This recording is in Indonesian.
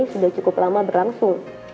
sudah cukup lama berlangsung